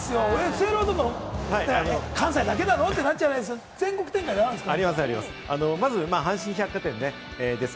セールは関西だけなの？ってなっちゃうけれども、全国展開であるんですか？